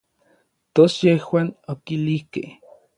Tos yejuan okilijkej.